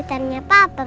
kamu apa sih